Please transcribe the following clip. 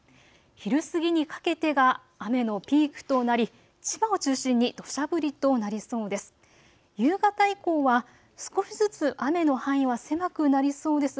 昼過ぎにかけてが雨のピークとなり千葉を中心にどしゃ降りとなりそうです。